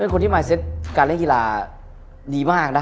คนที่มาเซตการเล่นกีฬาดีมากนะ